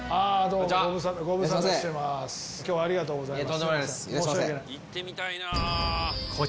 今日はありがとうございます。